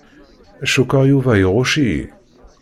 Cukkeɣ Yuba iɣucc-iyi.